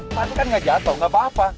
tadi kan gak jatoh gapapa